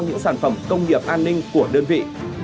những sản phẩm công nghiệp an ninh của đơn vị